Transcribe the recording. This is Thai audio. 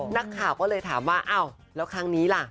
นักข่าวก็เลยถามว่าอ้าวแล้วครั้งนี้ล่ะ